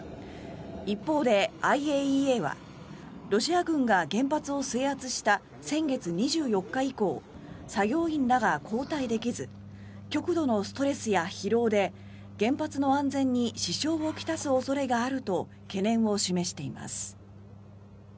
一方で、ＩＡＥＡはロシア軍が原発を制圧した先月２４日以降作業員らが交代できず極度のストレスや疲労で原発の安全に支障をきたす恐れがあると懸念を示しています。